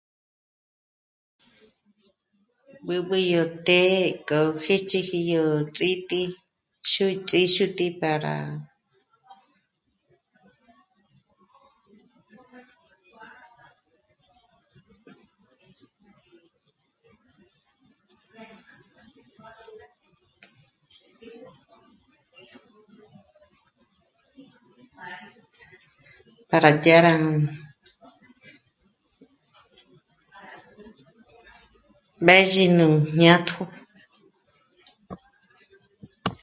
B'üb'ü yó të̌'ë k'ó hích'iji yó ts'ít'ǐ'i yó ts'íxút'ǐ'i pára dyàrá mézhi nú jñátjo